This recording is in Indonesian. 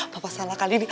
papa salah kali ini